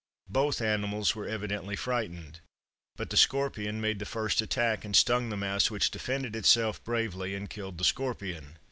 Both animals were evidently frightened, but the scorpion made the first attack, and stung the mouse, which defended itself bravely, and killed the scorpion.